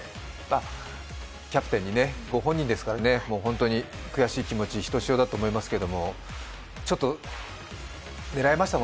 キャプテンにね、ご本人ですから悔しい気持ち、ひとしおだと思いますけど狙いました